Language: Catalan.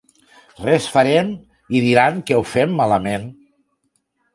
Res farem i diran que ho fem malament.